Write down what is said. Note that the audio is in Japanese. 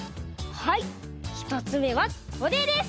はいひとつめはこれです！